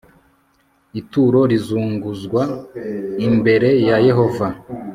ituro rizunguzwa imbere ya yehova